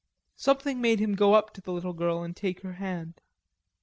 Something made him go up to the little girl and take her hand.